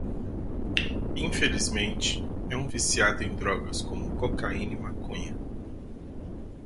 Infelizmente é um viciado em drogas como cocaína e maconha